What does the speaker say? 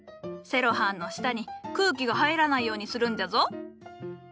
セロハンの下に空気が入らないようにするんじゃぞ。